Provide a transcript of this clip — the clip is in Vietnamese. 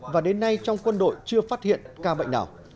và đến nay trong quân đội chưa phát hiện ca bệnh nào